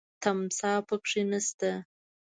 تمساح پکې نه شته .